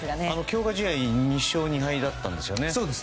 強化試合２勝２敗だったんですよね。